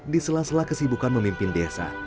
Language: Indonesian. di sela sela kesibukan memimpin desa